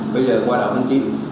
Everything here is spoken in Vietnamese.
bây giờ qua đầu tháng chín